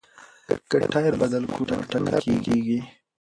که ټایر بدل کړو نو ټکر نه کیږي.